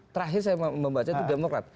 terakhir saya membaca itu demokrat